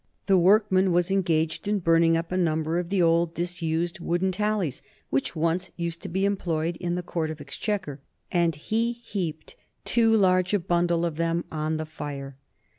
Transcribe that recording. The workman was engaged in burning up a number of the old, disused wooden tallies which once used to be employed in the Court of Exchequer, and he heaped too large a bundle of them on the fire.